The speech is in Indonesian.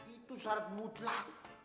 itu syarat mutlak